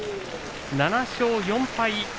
７勝４敗。